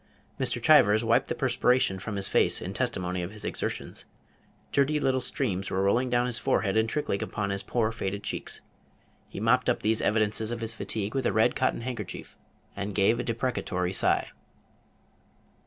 Mr. Chivers wiped the perspiration from his face in testimony of his exertions. Dirty Page 190 little streams were rolling down his forehead and trickling upon his poor faded cheeks. He mopped up these evidences of his fatigue with a red cotton handkerchief, and gave a deprecatory sigh.